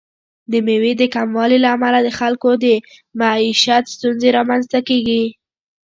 د میوې د کموالي له امله د خلکو د معیشت ستونزې رامنځته کیږي.